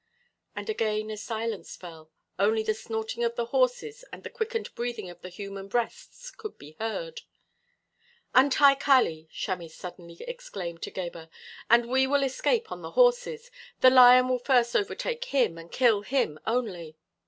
And again a silence fell. Only the snorting of the horses and the quickened breathing of the human breasts could be heard. "Untie Kali!" Chamis suddenly exclaimed to Gebhr, "and we will escape on the horses; the lion will first overtake him, and kill him only."